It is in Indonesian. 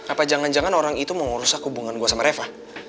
apa jangan jangan orang itu mengurus aku hubungan gue sama reva